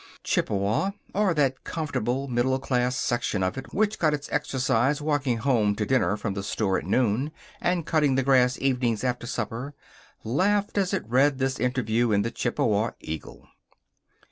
Chippewa or that comfortable, middle class section of it which got its exercise walking home to dinner from the store at noon, and cutting the grass evenings after supper laughed as it read this interview in the Chippewa Eagle.